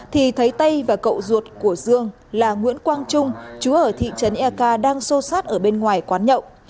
thì thấy tay và cậu ruột của dương là nguyễn quang trung chú ở thị trấn ea kha đang sô sát ở bên ngoài quán nhậu